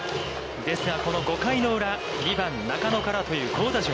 ですが、この５回裏、２番中野からという好打順。